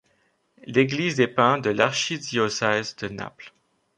L'église dépend de l'archidiocèse de Naples.